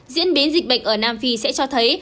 diễn biến dịch bệnh ở nam phi sẽ cho thấy